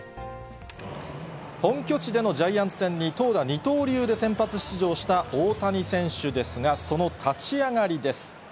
本拠地でのジャイアンツ戦に投打二刀流で先発出場した大谷選手ですが、その立ち上がりです。